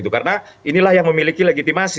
karena inilah yang memiliki legitimasi